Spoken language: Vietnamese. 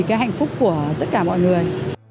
cái hạnh phúc của tất cả mọi người